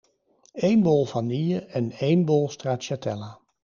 Één bol vanille en één bol stracciatella.